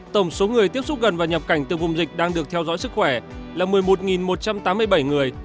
tổng số người tiếp xúc gần và nhập cảnh từ vùng dịch đang được theo dõi sức khỏe là một mươi một một trăm tám mươi bảy người